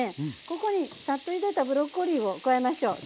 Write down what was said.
ここにサッとゆでたブロッコリーを加えましょう。